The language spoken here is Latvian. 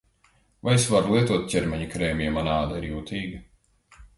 Vai es varu lietot ķermeņa krēmu, ja mana āda ir jutīga?